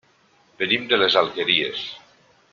Venim de les Alqueries.